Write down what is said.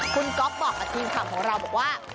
คุณก๊อฟบอกกับทีมคำของเราว่า